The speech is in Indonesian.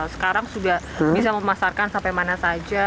sekarang sudah bisa memasarkan sampai mana saja